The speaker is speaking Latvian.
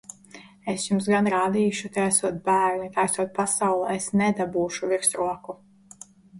Es jums gan rādīšu! Tie esot bērni! Tā esot pasaule! Es nedabūšu virsroku!